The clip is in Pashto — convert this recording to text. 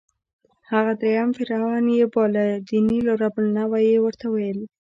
هغه درېیم فرعون یې باله، د نېل رب النوع یې ورته ویل.